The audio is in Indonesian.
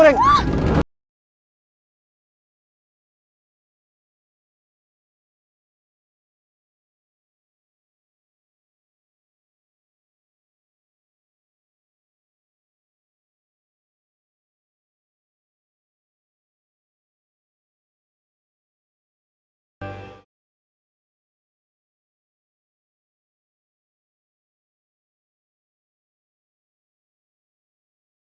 lo ngapain berdiri di sini